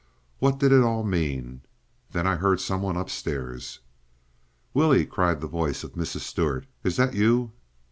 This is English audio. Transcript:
What did it all mean? Then I heard some one upstairs. "Willie!" cried the voice of Mrs. Stuart. "Is that you?"